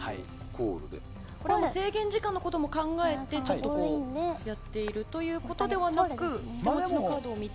制限時間のことも考えてちょっとやっているということではなく手持ちのカードを見て？